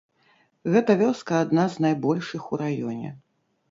Гэта вёска адна з найбольшых у раёне.